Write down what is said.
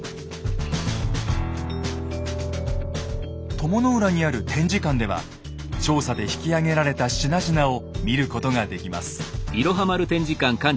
鞆の浦にある展示館では調査で引き揚げられた品々を見ることができます。